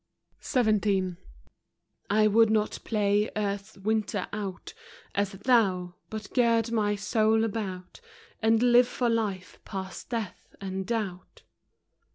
XVII. " I would not play earth's winter out, As thoii ; but gird my soul about, And live for life past death and doubt.